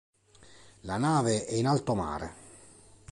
La nave è in alto mare.